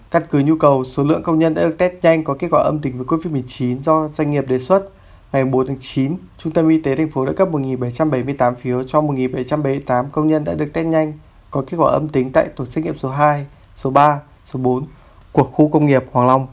cắt cử nhu cầu số lượng công nhân đã được test nhanh có kế hoạch âm tính với covid một mươi chín do doanh nghiệp đề xuất ngày bốn chín trung tâm y tế tp đã cấp một bảy trăm bảy mươi tám phiếu cho một bảy trăm bảy mươi tám công nhân đã được test nhanh có kế hoạch âm tính tại tổ chức nghiệm số hai số ba số bốn của khu công nghiệp hoàng long